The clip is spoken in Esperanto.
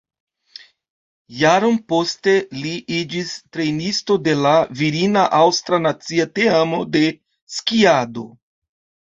Jaron poste li iĝis trejnisto de la virina aŭstra nacia teamo de skiado.